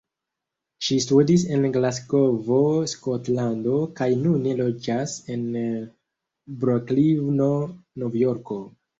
Ŝi studis en Glasgovo, Skotlando, kaj nune loĝas en Broklino, Novjorko.